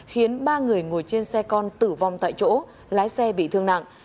khiến ba người ngồi trên xe con tử vong tại chỗ lái xe bị thương nặng